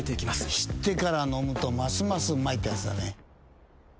知ってから飲むとますますうまいってやつだね。